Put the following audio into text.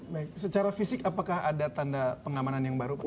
baik secara fisik apakah ada tanda pengamanan yang baru pak